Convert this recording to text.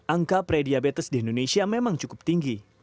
angka pre diabetes di indonesia memang cukup tinggi